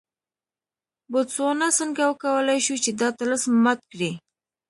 بوتسوانا څنګه وکولای شول چې دا طلسم مات کړي.